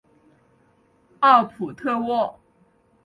奥普特沃。